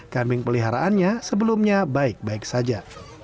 kambing peliharaannya sebelumnya baik baik saja